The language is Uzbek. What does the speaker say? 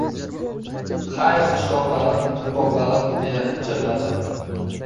Xayr, qishloqlarim — gulbog‘larim! — deya pichirladi.